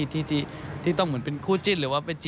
ดีเจคนนี้เป็นใครหรืออะไร